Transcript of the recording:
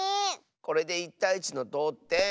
これで１たい１のどうてん。